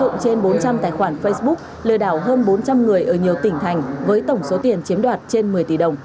sử dụng trên bốn trăm linh tài khoản facebook lừa đảo hơn bốn trăm linh người ở nhiều tỉnh thành với tổng số tiền chiếm đoạt trên một mươi tỷ đồng